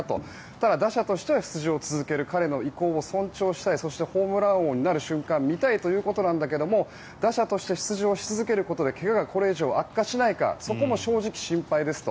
ただ、打者としては出場を続ける彼の意向を尊重したいそしてホームラン王になる瞬間を見たいということなんだけど打者として出場し続けることで怪我がこれ以上悪化しないかそこも心配ですと。